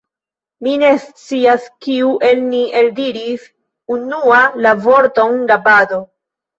Mi ne scias, kiu el ni eldiris unua la vorton rabado.